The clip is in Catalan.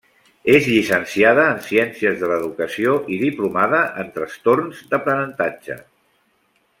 És llicenciada en Ciències de l’Educació i diplomada en Trastorns d’aprenentatge.